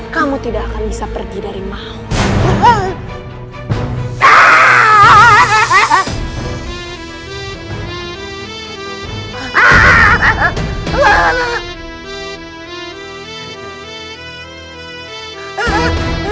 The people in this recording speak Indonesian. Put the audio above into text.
kamu tidak akan bisa pergi dari mau